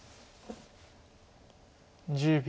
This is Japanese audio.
１０秒。